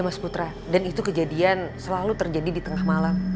mas putra dan itu kejadian selalu terjadi di tengah malam